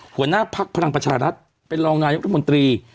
หัวหน้าภักดิ์พลังประชารัฐเป็นรองนายกรัฐมนตรี